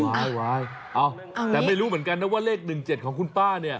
อ้าวแต่ไม่รู้เหมือนกันนะว่าเลขหนึ่งเจ็ดของคุณป้า